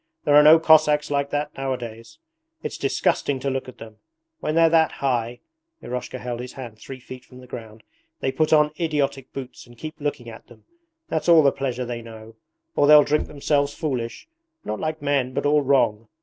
There are no Cossacks like that nowadays. It's disgusting to look at them. When they're that high [Eroshka held his hand three feet from the ground] they put on idiotic boots and keep looking at them that's all the pleasure they know. Or they'll drink themselves foolish, not like men but all wrong.